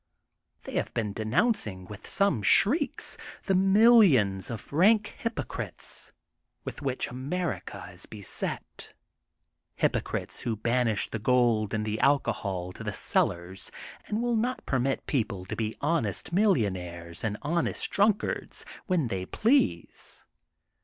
'' They have been denouncing, with .some shrieks, the millions of rank hypocrites" with which America is beset, hypocrites who banish the gold and the alcohol to the cellars and will not permit people to be '^honest mil lionaires" and ^* honest drunkards" when they please.